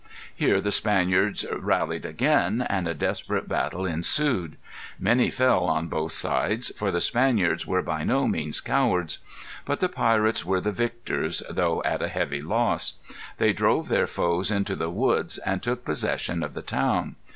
Here the Spaniards rallied again, and a desperate battle ensued. Many fell on both sides, for the Spaniards were by no means cowards. But the pirates were the victors, though at a heavy loss. They drove their foes into the woods, and took possession of the town.